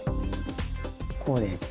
こうです。